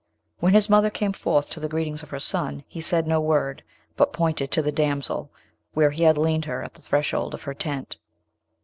When his mother came forth to the greetings of her son, he said no word, but pointed to the damsel where he had leaned her at the threshold of her tent.